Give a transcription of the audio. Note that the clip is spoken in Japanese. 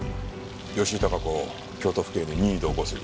吉井孝子を京都府警に任意同行する。